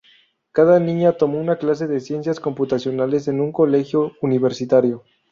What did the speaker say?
Cuando niña tomó una clase de ciencias computacionales en un colegio universitario.